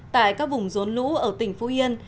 tại các vùng rốn lũ ở tỉnh phú yên